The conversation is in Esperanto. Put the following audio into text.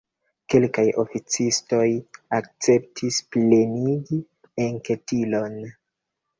Kelkaj oficistoj akceptis plenigi enketilon.